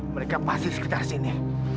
mereka pasti sekitar sini